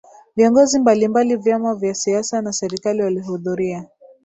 Viongozi mbali mbali vyama vya siasa na Serikali walihudhuria